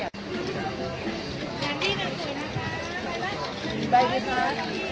อันนี้น้ำยำถุงถ้วยถ้วยแล้วกี่ถ้วยหยาบ